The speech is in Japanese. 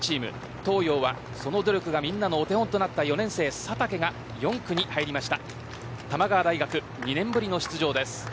東洋はその努力がみんなのお手本となった４年生、佐竹が４区に入りました。